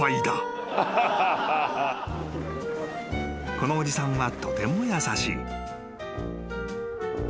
［このおじさんはとても優しい］